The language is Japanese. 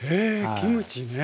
キムチねえ。